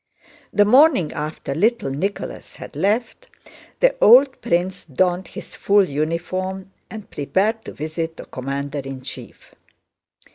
The morning after little Nicholas had left, the old prince donned his full uniform and prepared to visit the commander in chief.